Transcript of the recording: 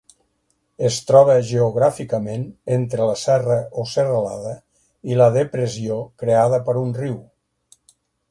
Es troba geogràficament entre la serra o serralada i la depressió creada per un riu.